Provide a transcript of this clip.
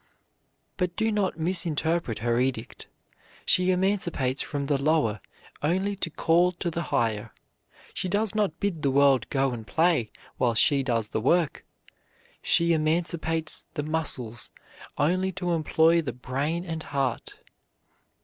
But do not misinterpret her edict. She emancipates from the lower only to call to the higher. She does not bid the world go and play while she does the work. She emancipates the muscles only to employ the brain and heart.